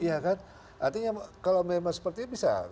artinya kalau memang seperti itu bisa